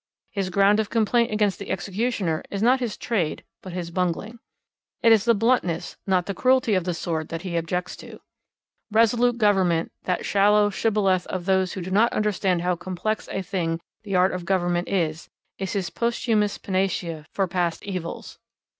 His ground of complaint against the Executioner is not his trade but his bungling. It is the bluntness not the cruelty of the sword that he objects to. Resolute government, that shallow shibboleth of those who do not understand how complex a thing the art of government is, is his posthumous panacea for past evils.